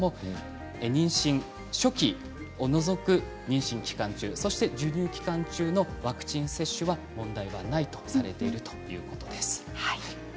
妊娠初期を除く妊娠期間中そして授乳期間中のワクチン接種は問題はないとされているということです。